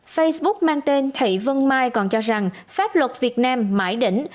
facebook mang tên thị vân mai còn cho rằng pháp luật việt nam mãi đỉnh